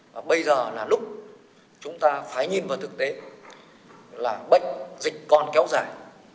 và bây giờ là lúc chúng ta phải nhìn vào thực tế là bệnh dịch còn kéo dài